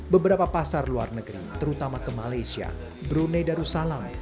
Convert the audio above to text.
beberapa pasar luar negeri terutama ke malaysia brunei darussalam